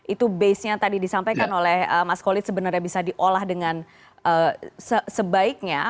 itu base nya tadi disampaikan oleh mas kolit sebenarnya bisa diolah dengan sebaiknya